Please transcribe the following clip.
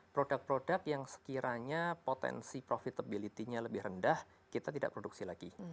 produk produk yang sekiranya potensi profitability nya lebih rendah kita tidak produksi lagi